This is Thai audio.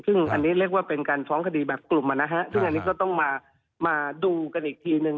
ซึ่งอันนี้เรียกว่าเป็นการฟ้องคดีแบบกลุ่มนะฮะซึ่งอันนี้ก็ต้องมาดูกันอีกทีนึง